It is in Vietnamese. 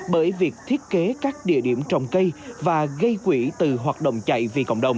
bởi việc thiết kế các địa điểm trồng cây và gây quỹ từ hoạt động chạy vì cộng đồng